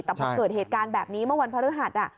แต่พอเกิดเหตุการณ์แบบนี้เมื่อวันพฤหัส